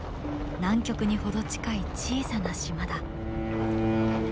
南極に程近い小さな島だ。